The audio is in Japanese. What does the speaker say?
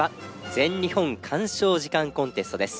全日本鑑賞時間コンテストです。